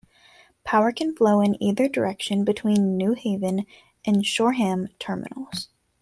Power can flow in either direction between New Haven and Shoreham terminals.